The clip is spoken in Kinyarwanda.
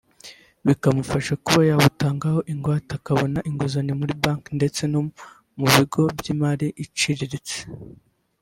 bikanamufasha kuba yabutangaho ingwate akabona inguzanyo muri Banki ndetse no mu Bigo by’Imari iciriritse